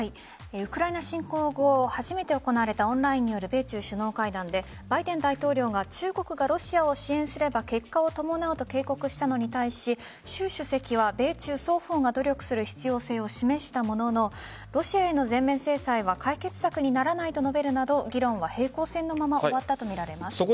ウクライナ侵攻後初めて行われたオンラインによる米中首脳会談でバイデン大統領が中国がロシアを支援すれば結果を伴うと警告したのに対して習主席は米中双方が努力する必要性を示したもののロシアへの全面制裁は解決策にはならないと述べるなど議論は平行線のまま終わったとみられます。